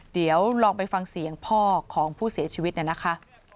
เดี๋ยวลองไปฟังเสียงพ่อของผู้เสียชีวิตเนี่ยนะคะ